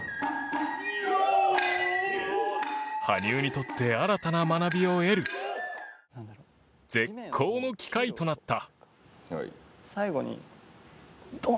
羽生にとって、新たな学びを得る絶好の機会となった。